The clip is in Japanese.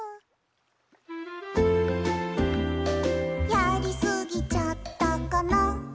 「やりすぎちゃったかな」